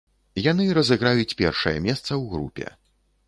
Яны разыграюць першае месца ў групе.